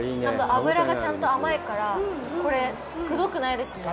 脂がちゃんと甘いから、これ、くどくないですね。